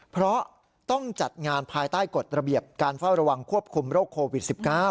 เพราะต้องจัดงานภายใต้กฎระเบียบการเฝ้าระวังควบคุมโรคโควิด๑๙